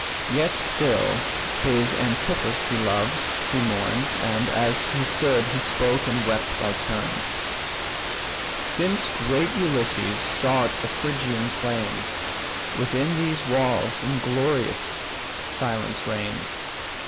Yet still his Antiphus he loves, he mourns, And, as he stood, he spoke and wept by turns, "Since great Ulysses sought the Phrygian plains, Within these walls inglorious silence reigns.